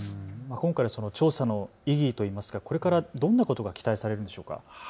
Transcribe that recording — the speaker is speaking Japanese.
今回、調査の意義といいますかこれからどんなことが期待されるんでしょうか。